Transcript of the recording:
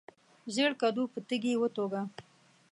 ژیړ کډو په تیږي وتوږه.